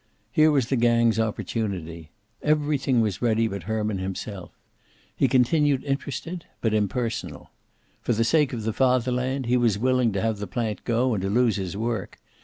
Here was the gang's opportunity. Everything was ready but Herman himself. He continued interested, but impersonal. For the sake of the Fatherland he was willing to have the plant go, and to lose his work.